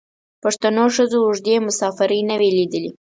پښتنو ښځو اوږدې مسافرۍ نه وې لیدلي.